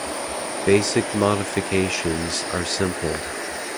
Basic modifications are simple.